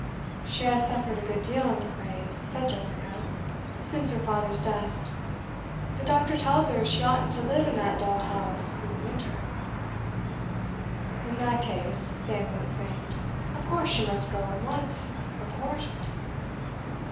'She has suffered a good deal, I'm afraid,' said Jessica, 'since her father's death. The doctor tells her she oughtn't to live in that dull house through the winter.' 'In that case,' Samuel exclaimed, 'of course she must go at once of course!